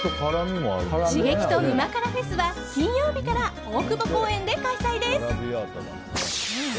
刺激と旨辛ＦＥＳは金曜日から大久保公園で開催です。